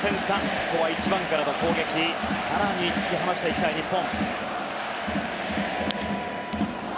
ここは１番からの攻撃で更に突き放したい日本。